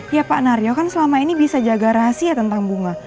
ya pak naryo kan selama ini bisa jaga rahasia tentang bunga